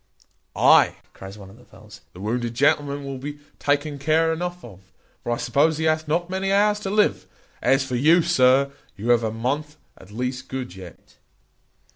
"Ay," cries one of the fellows, "the wounded gentleman will be taken care enough of; for I suppose he hath not many hours to live. As for you, sir, you have a month at least good yet."